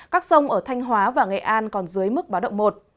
các sông ở thanh hóa và nghệ an còn dưới mức báo động một